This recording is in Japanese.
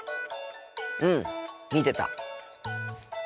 うん見てた。